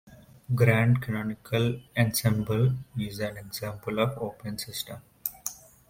Grand canonical ensemble is an example of open system.